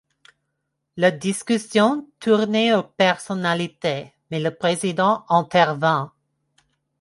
La discussion tournait aux personnalités, mais le président intervint.